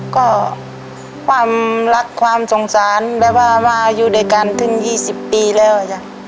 ก็ความรักความสงสารแบบว่ามาอยู่ด้วยกันถึง๒๐ปีแล้วจ้ะ